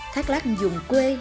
thác lát dùng quê